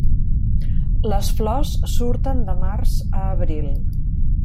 Les flors surten de març a abril.